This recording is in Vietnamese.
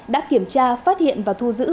đã kiểm tra phát hiện và thu giữ